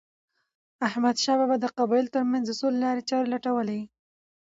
احمد شاه بابا د قبایلو ترمنځ د سولې لارې چاري لټولي.